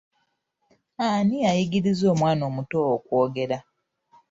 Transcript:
Ani ayigiriza omwana omuto okwogera?